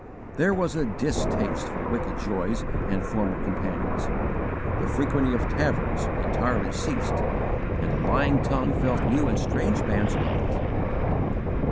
There was a distaste for wicked joys and former companions; the frequenting of taverns entirely ceased, and a lying tongue felt new and strange bands about it.